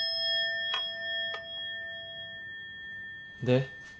で？